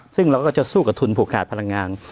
ซึ่งเราก็จะสู้กับทุนผูกขาดพลังงาน